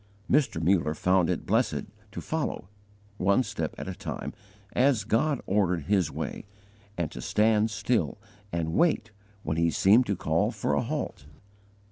Mr Muller found it blessed to follow, one step at a time, as God ordered his way, and to stand still and wait when He seemed to call for a halt.